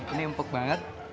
ini empuk banget